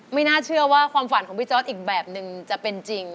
ไม่น่าเชื่อว่าความฝันของพี่จอร์ดอีกแบบนึงจะเป็นจริง